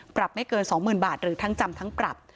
ไม่เกิน๒๐๐๐บาทหรือทั้งจำทั้งปรับ